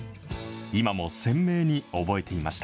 今も鮮明に覚えていました。